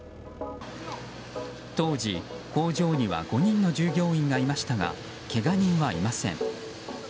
当時、工場には５人の従業員がいましたがけが人はいません。